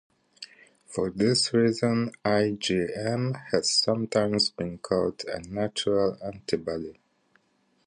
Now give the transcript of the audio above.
For this reason IgM has sometimes been called a "natural antibody".